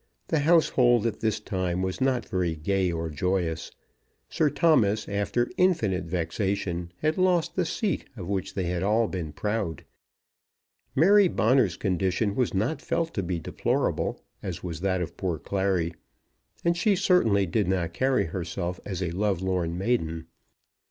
The household at this time was not very gay or joyous. Sir Thomas, after infinite vexation, had lost the seat of which they had all been proud. Mary Bonner's condition was not felt to be deplorable, as was that of poor Clary, and she certainly did not carry herself as a lovelorn maiden.